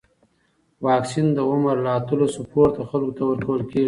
واکسن د عمر له اتلسو پورته خلکو ته ورکول کېږي.